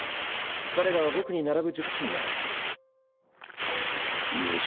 彼らは僕に並ぶ術師になる。